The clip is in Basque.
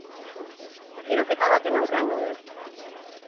Tiroketa baten aurrean gaude.